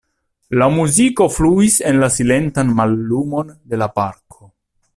La muziko fluis en la silentan mallumon de la parko.